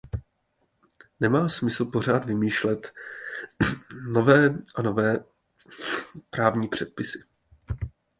Nemá smysl pořád vymýšlet nové a nové právní předpisy.